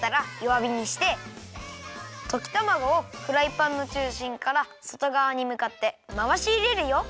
わびにしてときたまごをフライパンのちゅうしんからそとがわにむかってまわしいれるよ。